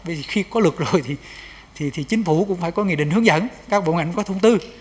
bởi vì khi có luật rồi thì chính phủ cũng phải có nghị định hướng dẫn các bộ ngành có thông tư